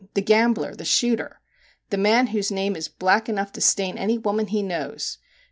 The gambler, the shooter ! the man whose name is black enough to stain any woman he knows.